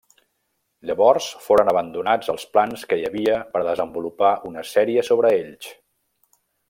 Llavors foren abandonats els plans que hi havia per a desenvolupar una sèrie sobre ells.